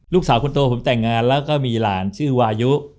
ลูกสาวคนโตผมแต่งงานแล้วก็มีหลานชื่อวายุ